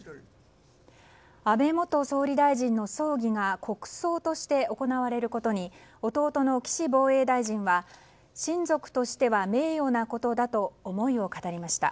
安倍元総理大臣の葬儀が国葬として執り行われることに弟の岸防衛大臣は親族としては名誉なことだと思いを語りました。